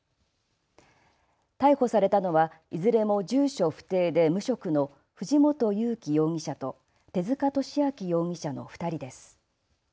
逮捕されたのはいずれも住所不定で無職の藤本勇気容疑者と手塚敏明容疑者の２人です。